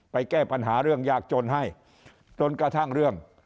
แก้ปัญหาเรื่องยากจนให้จนกระทั่งเรื่อง